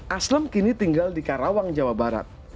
aslem kini tinggal di karawang jawa barat